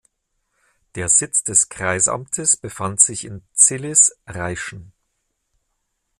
Der Sitz des Kreisamtes befand sich in Zillis-Reischen.